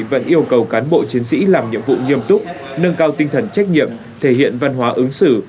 và chiến sĩ làm nhiệm vụ nghiêm túc nâng cao tinh thần trách nhiệm thể hiện văn hóa ứng xử